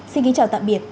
xin kính chào tạm biệt